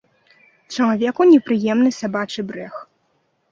Чалавеку непрыемны сабачы брэх.